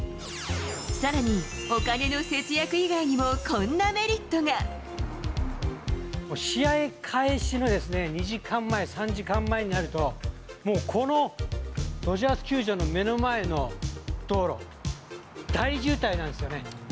さらに、お金の節約以外にも試合開始の２時間前、３時間前になると、もう、このドジャース球場の目の前の道路、大渋滞なんですよね。